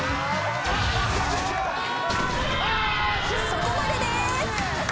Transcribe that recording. そこまでです！